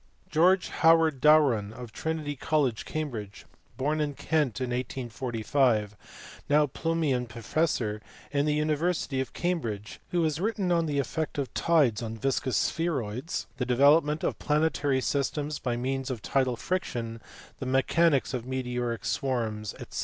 George Howard Darwin, of Trinity College, Cambridge, born in Kent in 1845, and now Plumian professor in the university of Cambridge, who has written on the effect of tides on viscous spheroids, the development of planetary systems by means of tidal friction, the mechanics of meteoric swarms, &c.